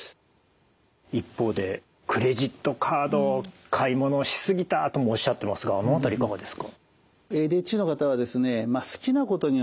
一方でクレジットカードを買い物をし過ぎたともおっしゃってますがあの辺りいかがですか？